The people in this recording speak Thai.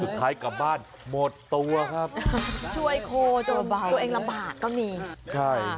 สุดท้ายกลับบ้านหมดตัวครับช่วยโคจนตัวเองลำบากก็มีใช่